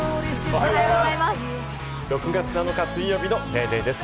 おはようございます！